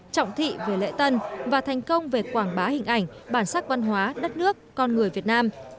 trọng thị về lễ tân và thành công về quảng bá hình ảnh bản sắc văn hóa đất nước con người việt nam